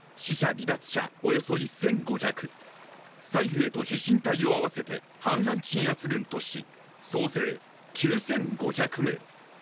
兵と飛信隊を合わせて反乱鎮圧軍とし総勢九千五百名。